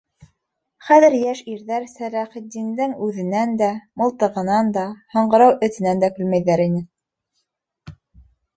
Хәҙер йәш ирҙәр Сәләхетдиндең үҙенән дә, мылтығынан да, һаңғырау этенән дә көлмәйҙәр ине.